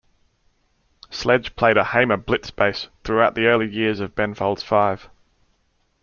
Sledge played a Hamer Blitz Bass throughout the early years of Ben Folds Five.